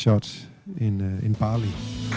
dibuat di bali